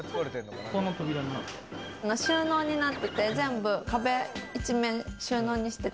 収納になってて、壁一面収納になってて。